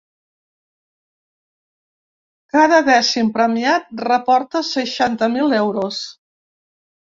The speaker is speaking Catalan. Cada dècim premiat reporta seixanta mil euros.